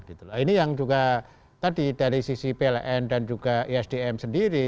ini yang juga tadi dari sisi pln dan juga isdm sendiri